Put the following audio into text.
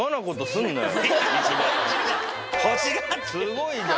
すごい。